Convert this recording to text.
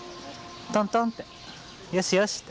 トントンってよしよしって。